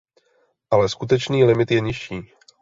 Ale skutečný limit je nižší.